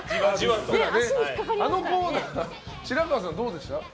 あのコーナー白河さんどうでした？